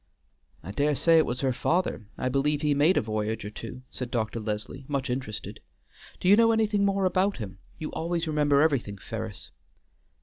"I dare say it was her father; I believe he made a voyage or two," said Dr. Leslie, much interested. "Do you know anything more about him? you always remember everything, Ferris."